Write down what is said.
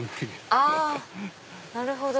あなるほど。